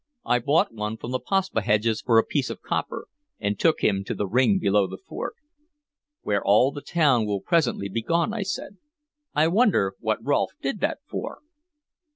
I bought one from the Paspaheghs for a piece of copper, and took him to the ring below the fort." "Where all the town will presently be gone," I said. "I wonder what Rolfe did that for!"